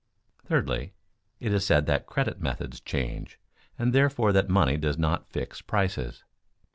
Thirdly, it is said that credit methods change, and therefore that money does not fix prices.